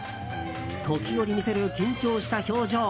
時折見せる緊張した表情。